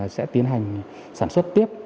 sẽ tiến hành sản xuất tiếp